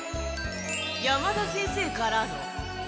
山田先生からの。